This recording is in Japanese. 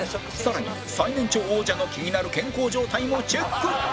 さらに最年長王者の気になる健康状態もチェック